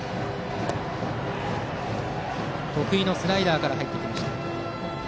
得意のスライダーから入ってきました。